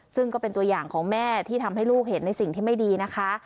ซึ่งก็เป็นตัวอย่างของแม่ที่ทำให้ลูกเห็นในสิ่งที่ไม่ดีนะคะ